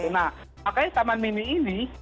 nah makanya taman mini ini